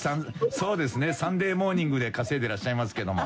「そうですね『サンデーモーニング』で稼いでらっしゃいますけども」